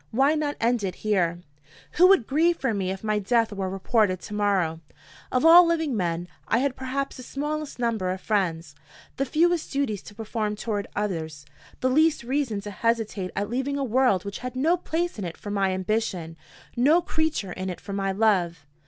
Why not end it here?" Who would grieve for me if my death were reported to morrow? Of all living men, I had perhaps the smallest number of friends, the fewest duties to perform toward others, the least reason to hesitate at leaving a world which had no place in it for my ambition, no creature in it for my love.